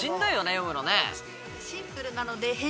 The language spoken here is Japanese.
読むのね。